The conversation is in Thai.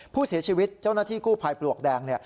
ผู้เสียชีวิตเจ้าหน้าที่กู้ภัยปลวกแดงเนี่ย